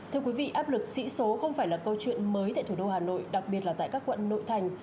thưa quý vị áp lực sĩ số không phải là câu chuyện mới tại thủ đô hà nội đặc biệt là tại các quận nội thành